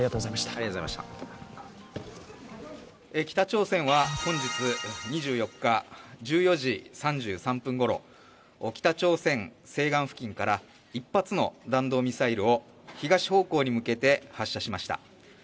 北朝鮮は本日２４日、１４時３３分ごろ、北朝鮮西岸付近から１発の弾道ミサイルを東方向へ向けて発射しました。